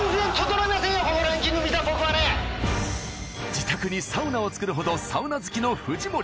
自宅にサウナを作るほどサウナ好きの藤森